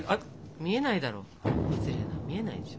見えないだろ失礼な見えないでしょ。